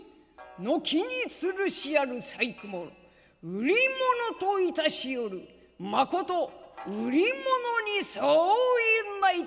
軒につるしある細工物売り物といたしおる誠売り物に相違ないか」。